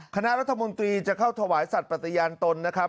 คณะรัฐมนตรีจะเข้าถวายสัตว์ปฏิญาณตนนะครับ